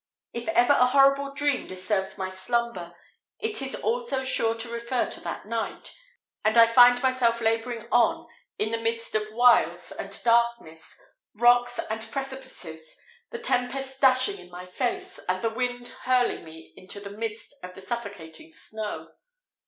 If ever a horrible dream disturbs my slumber, it is also sure to refer to that night, and I find myself labouring on in the midst of wilds and darkness, rocks and precipices, the tempest dashing in my face, and the wind hurling me into the midst of the suffocating snow.